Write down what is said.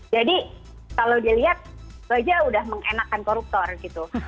jadi kalau dilihat itu aja udah mengenakan koruptor gitu